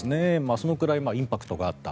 そのぐらいインパクトがあった。